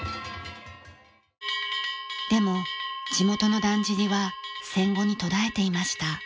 でも地元のだんじりは戦後に途絶えていました。